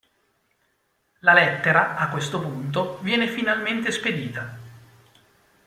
La lettera, a questo punto, viene finalmente spedita.